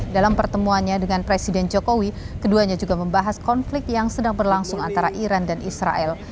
dalam pertemuannya dengan presiden jokowi keduanya juga membahas konflik yang sedang berlangsung antara iran dan israel